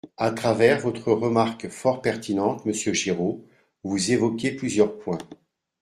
À travers votre remarque fort pertinente, monsieur Giraud, vous évoquez plusieurs points.